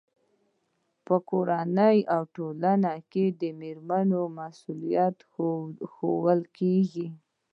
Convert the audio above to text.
په کورنۍ او ټولنه کې د مېرمنې مسؤلیتونه ښوول کېږي.